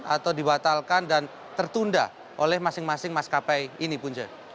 atau dibatalkan dan tertunda oleh masing masing maskapai ini punca